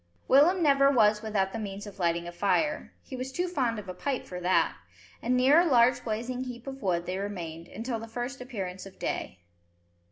Willem never was without the means of lighting a fire, he was too fond of a pipe for that, and near a large blazing heap of wood they remained until the first appearance of day.